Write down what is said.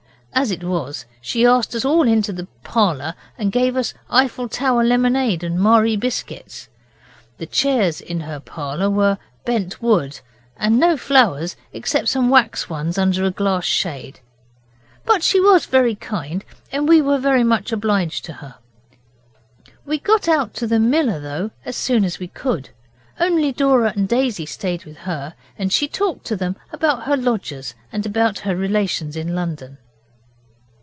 As it was, she asked us all into the parlour and gave us Eiffel Tower lemonade and Marie biscuits. The chairs in her parlour were 'bent wood', and no flowers, except some wax ones under a glass shade, but she was very kind, and we were very much obliged to her. We got out to the miller, though, as soon as we could; only Dora and Daisy stayed with her, and she talked to them about her lodgers and about her relations in London.